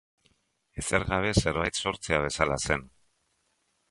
Ezer gabe zerbait sortzea bezala zen.